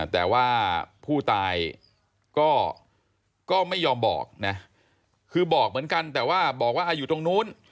แต่ว่าผู้ตายก็ไม่ยอมบอกนะคือบอกเหมือนกันแต่ว่าบอกว่าอยู่ตรงนู้น